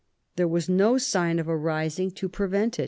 There was no sign of a rising to prevent it.